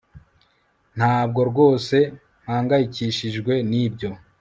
ntabwo rwose mpangayikishijwe nibyo